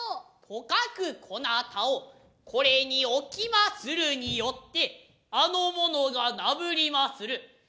とかくこなたをこれに置きまするによってあの者が嬲りまする。